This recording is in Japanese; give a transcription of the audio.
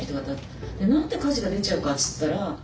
何で火事が出ちゃうかっつったら焼き鳥屋だよ。